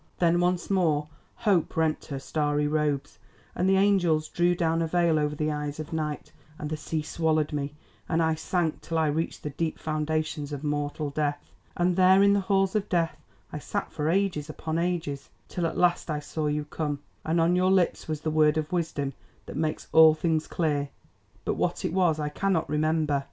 "Then once more Hope rent her starry robes, and the angels drew down a veil over the eyes of Night, and the sea swallowed me, and I sank till I reached the deep foundations of mortal death. And there in the Halls of Death I sat for ages upon ages, till at last I saw you come, and on your lips was the word of wisdom that makes all things clear, but what it was I cannot remember.